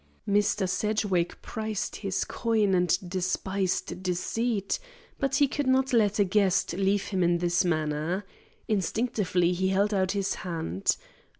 Mr. Sedgwick prized his coin and despised deceit, but he could not let a guest leave him in this manner. Instinctively he held out his hand.